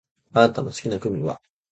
あなたの好きなグミは？